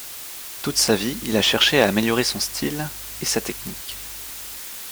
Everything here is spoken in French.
Toute sa vie, il a cherché à améliorer son style et sa technique.